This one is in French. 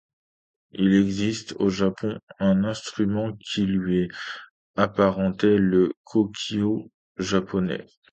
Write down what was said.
Il existe au Japon un instrument qui lui est apparenté, le kokyū japonais.